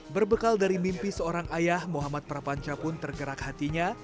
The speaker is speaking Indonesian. berbekal dari mimpi seorang ayah muhammad prapanca pun tergerak hatinya